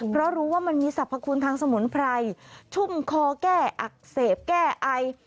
เพราะรู้ว่ามันมีสรรพคุณทางสมุนไพรชุ่มคอแก้อักเสบแก้ไอ